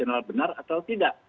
misalnya benar atau tidak